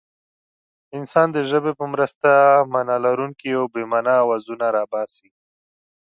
انسان د ژبې په مرسته مانا لرونکي او بې مانا اوازونه را باسي.